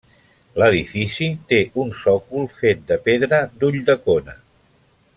L'edifici té un sòcol fet de pedra d'Ulldecona.